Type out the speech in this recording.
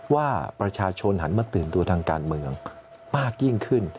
ว่าประชาชนหันมาตื่นตัวทางการเมืองมากยิ่งขึ้น